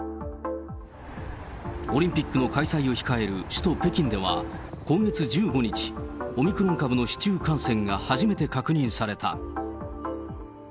オリンピックの開催を控える首都北京では、今月１５日、オミクロン株の市中感染が初めて確認された。